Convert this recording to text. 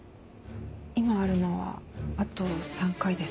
今あるのはあと３回です。